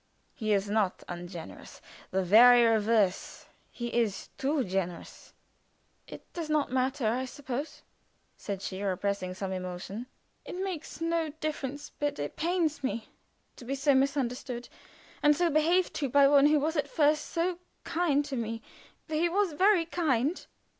"He is not ungenerous; the very reverse; he is too generous." "It does not matter, I suppose," said she, repressing some emotion. "It can make no difference, but it pains me to be so misunderstood and so behaved to by one who was at first so kind to me for he was very kind."